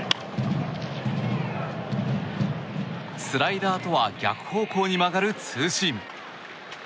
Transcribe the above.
スライダーとは逆方向に曲がるツーシーム。